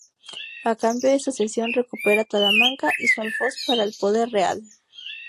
A cambio de esa cesión recupera Talamanca y su alfoz para el poder real.